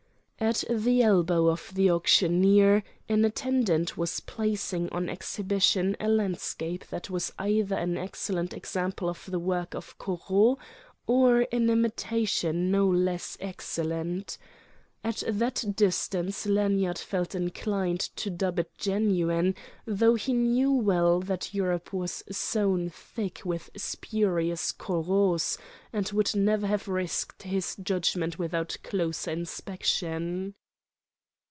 At the elbow of the auctioneer an attendant was placing on exhibition a landscape that was either an excellent example of the work of Corot or an imitation no less excellent. At that distance Lanyard felt inclined to dub it genuine, though he knew well that Europe was sown thick with spurious Corots, and would never have risked his judgment without closer inspection.